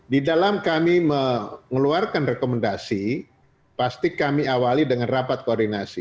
di dalam kami mengeluarkan rekomendasi pasti kami awali dengan rapat koordinasi